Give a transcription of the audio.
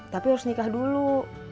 tapi harus nikah dulu